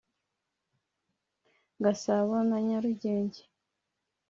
Gasabo na Nyarugenge